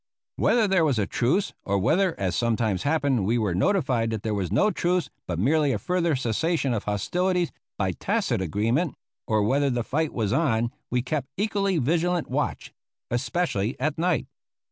Whether there was a truce, or whether, as sometimes happened, we were notified that there was no truce but merely a further cessation of hostilities by tacit agreement, or whether the fight was on, we kept equally vigilant watch, especially at night.